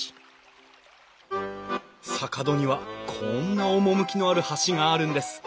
坂戸にはこんな趣のある橋があるんです。